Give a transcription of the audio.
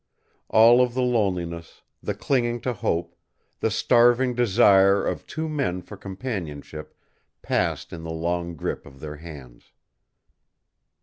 All of the loneliness, the clinging to hope, the starving desire of two men for companionship, passed in the long grip of their hands.